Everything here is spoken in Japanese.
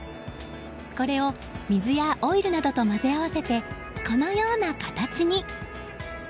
これを水やオイルなどと混ぜ合わせて、このような形に。